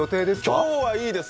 今日はいいです！